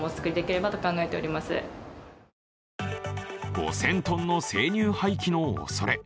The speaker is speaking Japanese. ５０００ｔの生乳廃棄のおそれ。